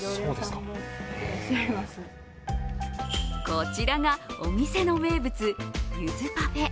こちらがお店の名物ゆずパフェ。